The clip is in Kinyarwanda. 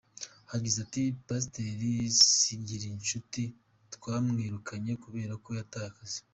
Yagize ati "Pasiteri Zigirinshuti twamwirukanye kubera ko yataye akazi.